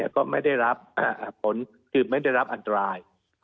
ก็ไม่ได้รับอันตราย